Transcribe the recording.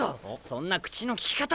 そんな口のきき方。